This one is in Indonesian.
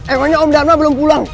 emangnya om dharma belum pulang